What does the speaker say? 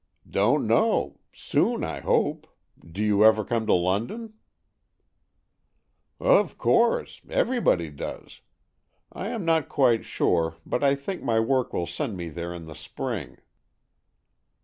" Don't know. Soon, I hope. Do you ever come to London?" " Of course. Everybody does. I am not quite sure, but I think my work will send me there in the spring."